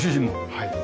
はい。